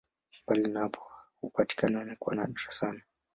Mbali na hapo hupatikana kwa nadra sana.